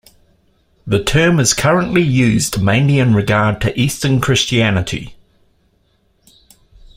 The term is currently used mainly in regard to Eastern Christianity.